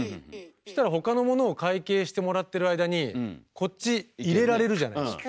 そしたら他のものを会計してもらってる間にこっちいれられるじゃない？